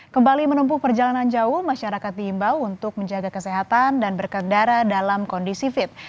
kembali menempuh perjalanan jauh masyarakat diimbau untuk menjaga kesehatan dan berkendara dalam kondisi fit